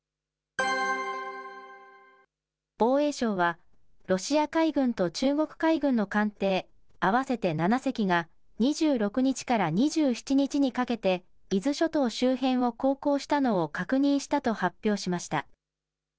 防衛省は、ロシア海軍と中国海軍の艦艇合わせて７隻が、２６日から２７日にかけて伊豆諸島周辺を航行したのを確認したと発表しました。